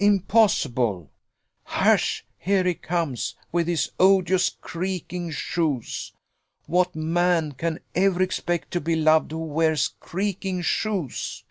Impossible! Hush! here he comes, with his odious creaking shoes. What man can ever expect to be loved who wears creaking shoes?"